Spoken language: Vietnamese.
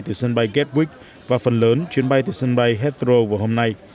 từ sân bay gatwick và phần lớn chuyến bay từ sân bay heathrow vào hôm nay